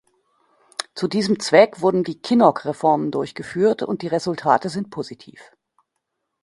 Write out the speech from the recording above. Zu diesem Zweck wurden die Kinnock-Reformen durchgeführt, und die Resultate sind positiv.